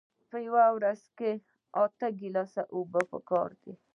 په ورځ کې اته ګیلاسه اوبه پکار دي